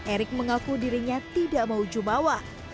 erick mengaku dirinya tidak mau jumawa